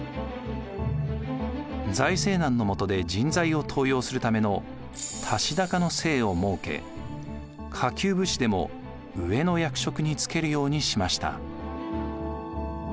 財政難のもとで人材を登用するための足高の制を設け下級武士でも上の役職に就けるようにしました。